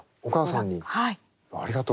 お母さんに。